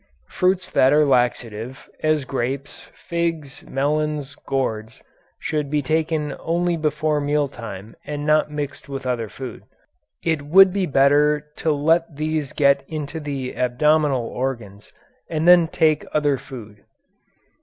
6. Fruits that are laxative, as grapes, figs, melons, gourds, should be taken only before meal time and not mixed with other food. It would be better to let these get into the abdominal organs and then take other food.